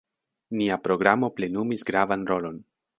Nia programo plenumis gravan rolon.